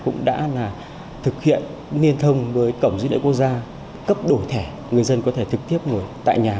cũng đã thực hiện liên thông với cổng dịch lợi quốc gia cấp đổi thẻ người dân có thể trực tiếp ngồi tại nhà